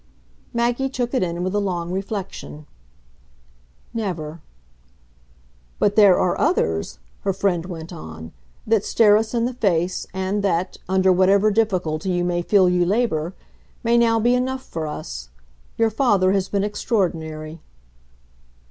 Maggie took it in with a long reflection. "Never." "But there are others," her friend went on, "that stare us in the face and that under whatever difficulty you may feel you labour may now be enough for us. Your father has been extraordinary."